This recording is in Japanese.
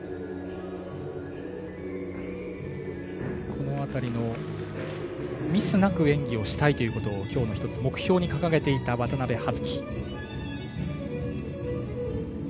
この辺りのミスなく演技をしたいということをきょうの目標に掲げていた渡部葉月。